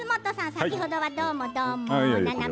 先ほどはどうもどうも。